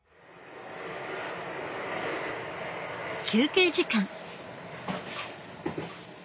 休憩時間。